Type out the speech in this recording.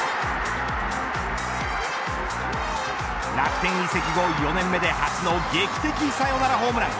楽天移籍後４年目で初の劇的サヨナラホームラン。